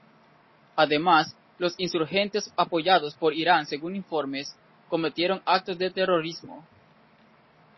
Además, los insurgentes apoyados por Irán según informes, cometieron actos de terrorismo.